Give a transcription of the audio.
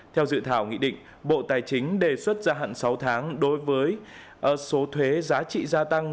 theo dự thảo nghị định bộ tài chính đề xuất gia hạn sáu tháng đối với số thuế giá trị gia tăng